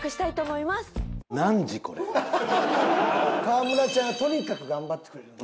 川村ちゃんはとにかく頑張ってくれる。